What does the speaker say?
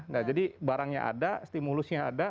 nah jadi barangnya ada stimulusnya ada